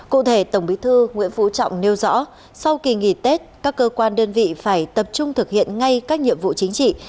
cụ thể tổng bí thư nguyễn phú trọng nêu rõ sau kỳ nghỉ tết các cơ quan đơn vị phải tập trung thực hiện ngay các nhiệm vụ chính trị